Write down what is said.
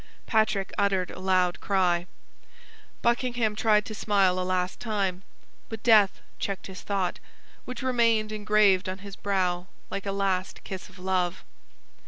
Patrick uttered a loud cry. Buckingham tried to smile a last time; but death checked his thought, which remained engraved on his brow like a last kiss of love.